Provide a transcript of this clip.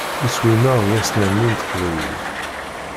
Iswi-nneɣ d asnerni n teqbaylit.